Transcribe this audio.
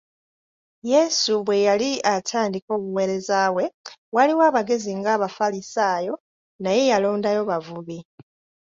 Yesu bwe yali atandika obuweereza bwe, waaliwo abagezi ng’abafalisaayo naye yalondayo bavubi.